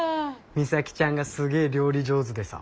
美咲ちゃんがすげえ料理上手でさ。